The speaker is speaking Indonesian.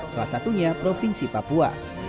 salah satunya provinsi papua